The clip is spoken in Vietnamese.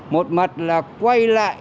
một mặt là quay lại